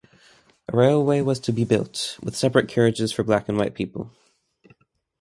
A railway was to be built, with separate carriages for black and white people.